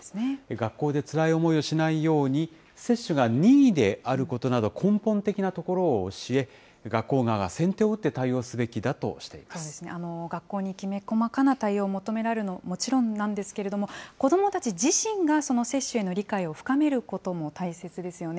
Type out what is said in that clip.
学校でつらい思いをしないように、接種が任意であることなど、根本的なところを教え、学校側が先手を打って対応すべきだとしていまそうですね、学校にきめ細かな対応を求められるのもちろんなんですけれども、子どもたち自身が、その接種への理解を深めることも大切ですよね。